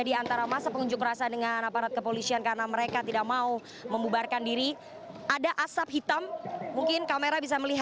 di cctv titiknya berada di bali tower